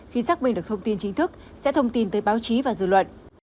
khi xác minh được thông tin chính thức sẽ thông tin tới báo chí và dư luận